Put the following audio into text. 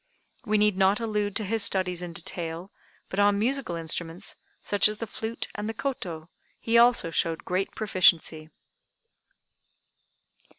We need not allude to his studies in detail, but on musical instruments, such as the flute and the koto, he also showed great proficiency.